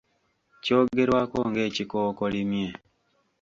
Kyogerwako ng'ekikookolimye.